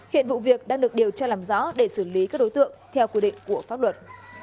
hiện vụ việc đang được điều tra làm rõ để xử lý các đối tượng theo quy định của pháp luật